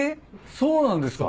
そうなんですか。